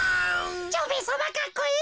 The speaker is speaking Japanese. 蝶兵衛さまかっこいい。